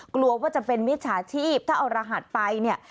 กลัวว่าจะเป็นมิจฉาทีพถ้าเอาระหัสไป